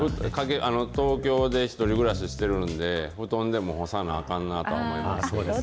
東京で１人暮らししてるんで、布団でも干さなあかんなと思います。